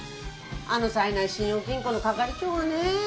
あの冴えない信用金庫の係長がねえ。